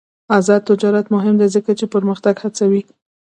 آزاد تجارت مهم دی ځکه چې پرمختګ هڅوي.